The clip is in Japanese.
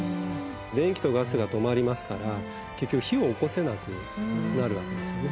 電気とガスが止まりますから結局火をおこせなくなるわけですよね。